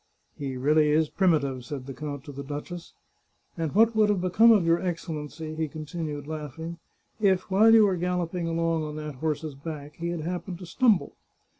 " He really is primitive," said the count to the duchess. " And what would have become of your Excellency," he continued, laughing, " if, while you were galloping along on that horse's back, he had happened to stumble?